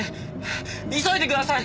急いでください。